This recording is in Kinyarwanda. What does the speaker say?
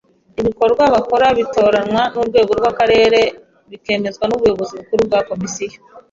Ibikorwa bakora, bitoranwa n’Urwego rw’Akarere bikemezwa n’ubuyobozi bukuru bwa Komisiyo